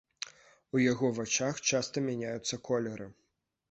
У яго вачах часта мяняюцца колеры.